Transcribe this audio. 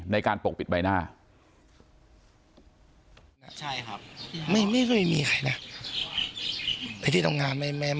ในการปกปิดใบหน้า